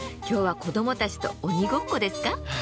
今日は子どもたちと鬼ごっこですか？